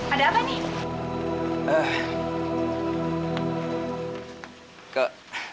ada apa nih